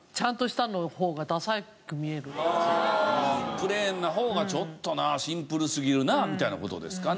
プレーンな方がちょっとなシンプルすぎるなみたいな事ですかね。